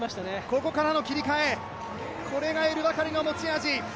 ここからの切り替え、これがエル・バカリの持ち味。